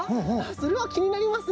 それはきになりますね。